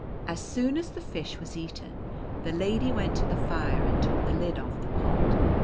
As soon as the fish was eaten, the lady went to the fire and took the lid off the pot.